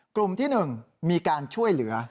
กลุ่มที่๑มีการช่วยเหลือ